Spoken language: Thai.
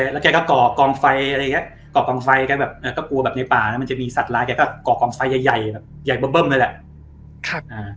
แล้วแกก็ก่อกองไฟแกก็กลัวแบบในป่ามันจะมีสัตว์ร้ายแกก็ก่อกองไฟใหญ่แบบเบิ่มเลยแหละ